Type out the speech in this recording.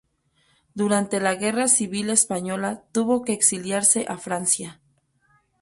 Durante la Guerra Civil Española tuvo que exiliarse a Francia.